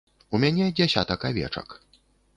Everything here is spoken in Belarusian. У мяне дзясятак авечак.